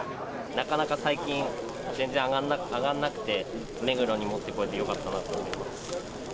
なかなか最近、全然、揚がらなくて、目黒に持ってこれてよかったなと思います。